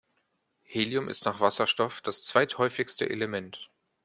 Helium ist nach Wasserstoff das zweithäufigste Element.